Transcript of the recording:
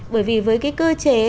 bởi vì với cái cơ chế